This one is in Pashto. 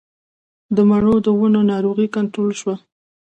د مڼو د ونو ناروغي کنټرول شوه؟